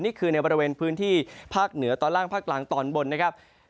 นี่คือในบริเวณพื้นที่ภาคเหนือตอนล่างภาคกลางตอนบนนะครับ